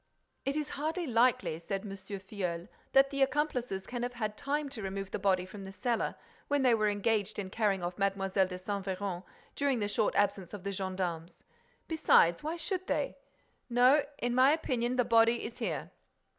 "It is hardly likely," said M. Filleul, "that the accomplices can have had time to remove the body from the cellar, when they were engaged in carrying off Mlle. de Saint Véran—during the short absence of the gendarmes. Besides, why should they?—No, in my opinion, the body is here."